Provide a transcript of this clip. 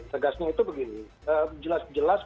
tegasnya itu begini jelas jelas